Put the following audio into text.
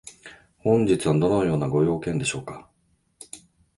本日はどのようなご用件でしょうか？